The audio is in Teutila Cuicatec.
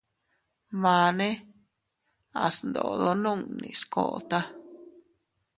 Mane a sndodo nunni skota.